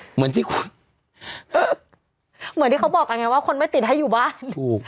เหมือนที่เขาบอกว่าคนไม่ติดให้อยู่บ้าน